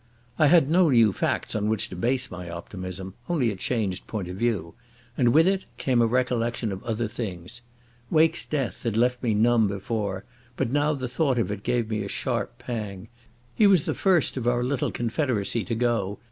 I had no new facts on which to base my optimism, only a changed point of view. And with it came a recollection of other things. Wake's death had left me numb before, but now the thought of it gave me a sharp pang. He was the first of our little confederacy to go.